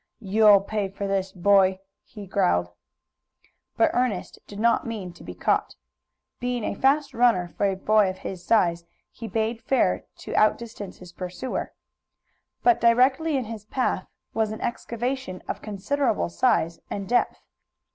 "You'll pay for this, boy!" he growled. But Ernest did not mean to be caught. Being a fast runner for a boy of his size, he bade fair to outdistance his pursuer. But directly in his path was an excavation of considerable size and depth.